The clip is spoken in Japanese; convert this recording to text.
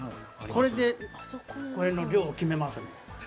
これでこれの量を決めますねん。